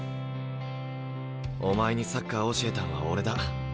お前にサッカー教えたんは俺だ。